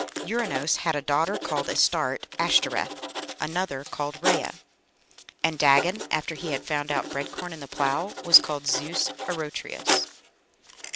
Ouranos had a daughter called Astarte (Ashtoreth), another called Rhea. "And Dagon, after he had found out bread corn and the plough, was called Zeus Arotrius."